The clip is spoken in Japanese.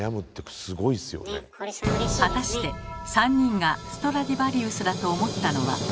果たして３人がストラディヴァリウスだと思ったのは？